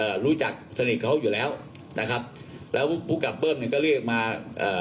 รู้จักสนิทเขาอยู่แล้วนะครับแล้วภูมิกับเบิ้มเนี้ยก็เรียกมาเอ่อ